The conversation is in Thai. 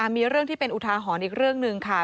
มีเรื่องที่เป็นอุทาหรณ์อีกเรื่องหนึ่งค่ะ